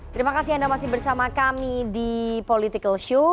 terima kasih anda masih bersama kami di political show